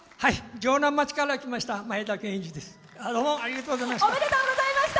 城南町から来ましたまえだです。